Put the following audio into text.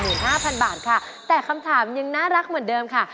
ห้าพันบาทค่ะแต่คำถามยังน่ารักเหมือนเดิมค่ะ